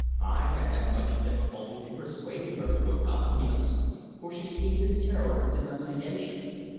I had had much difficulty in persuading her to accompany us, for she seemed in terror of denunciation.